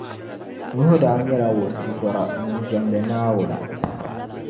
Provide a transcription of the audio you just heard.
Nuhu daa nyɛla wuntizɔra ŋun jɛmdi Naawuni.